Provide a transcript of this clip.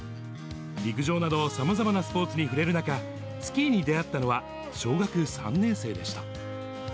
陸上などさまざまなスポーツに触れる中、スキーに出会ったのは小学３年生でした。